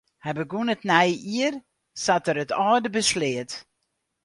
Hy begûn it nije jier sa't er it âlde besleat.